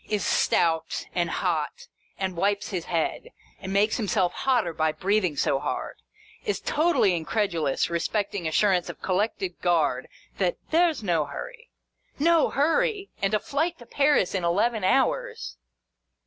Is stout and hot, and wipes his head, and makes himself hotter by breathing so hard. Is totally incredulous respecting assurance of Collected Guard that " there 's no hurry." No hurry ! And a Flight to Paris in eleven hours